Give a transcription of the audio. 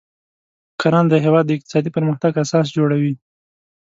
کرنه د هیواد د اقتصادي پرمختګ اساس جوړوي.